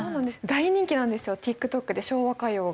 大人気なんですよＴｉｋＴｏｋで昭和歌謡が。